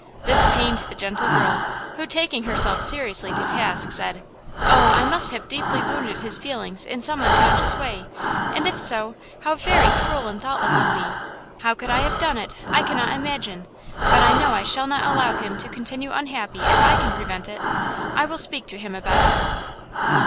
This pained the gentle girl, who, taking herself seriously to task, said: "Oh, I must have deeply wounded his feelings in some unconscious way! And if so, how very cruel and thoughtless of me! How could I have done it? I cannot imagine! But I know I shall not allow him to continue unhappy if I can prevent it! I will speak to him about it."